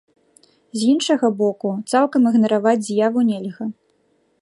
З іншага боку, цалкам ігнараваць з'яву нельга.